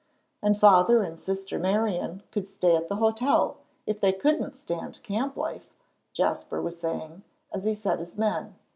"And Father and Sister Marian could stay at the hotel, if they couldn't stand camp life," Jasper was saying, as he set his men.